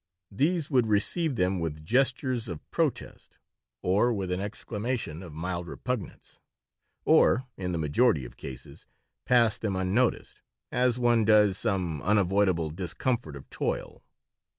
These would receive them with gestures of protest or with an exclamation of mild repugnance, or in the majority of cases pass them unnoticed, as one does some unavoidable discomfort of toil.